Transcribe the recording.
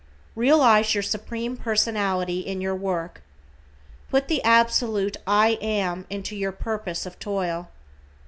Realize your Supreme Personality in your work. Put the absolute "I AM," into your purpose of toil.